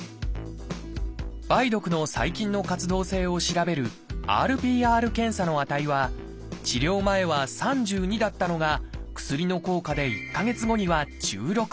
梅毒の細菌の活動性を調べるＲＰＲ検査の値は治療前は「３２」だったのが薬の効果で１か月後には「１６」。